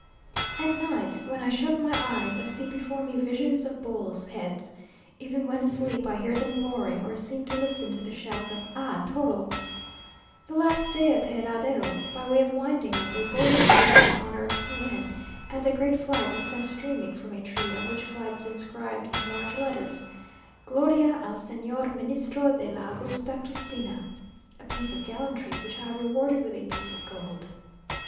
At night, when I shut my eyes, I see before me visions of bulls' heads. Even when asleep I hear them roaring, or seem to listen to the shouts of "Ah toro!" The last day of the herraderos, by way of winding up, a bull was killed in honour of C n, and a great flag was sent streaming from a tree, on which flag was inscribed in large letters, "Gloria al Señor Ministro de la Augusta Cristina!" a piece of gallantry which I rewarded with a piece of gold.